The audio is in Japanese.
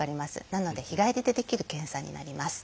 なので日帰りでできる検査になります。